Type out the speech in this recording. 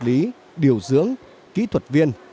như vật lý điều dưỡng kỹ thuật viên